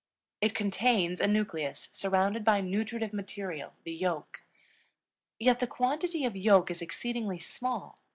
It contains a nucleus surrounded by nutritive material, the yolk. Yet the quantity of yolk is exceedingly small.